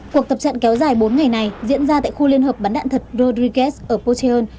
cuộc tập trận kéo dài bốn ngày này diễn ra tại khu liên hợp bắn đạn thật rodrigues ở pochion